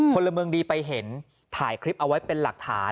พลเมืองดีไปเห็นถ่ายคลิปเอาไว้เป็นหลักฐาน